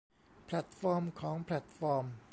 แพลตฟอร์มของแพลตฟอร์ม